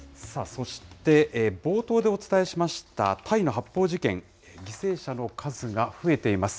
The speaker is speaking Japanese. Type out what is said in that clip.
そして、冒頭でお伝えしましたタイの発砲事件、犠牲者の数が増えています。